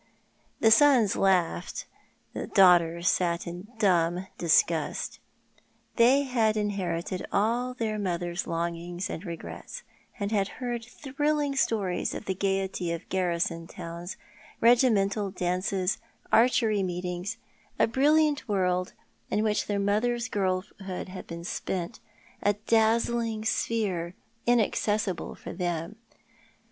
The sons laughed ; the daughters sat in dumb disgust. They had inherited all their mother's longings and regrets ; had heard thrilling stories of the gaiety of garrison towns, regimental dances, archery meetings, a brilliant world in which their mother's girlhood had been spent, a dazzling sphere inaccessible ''So we hit meet not part againy 227 for them.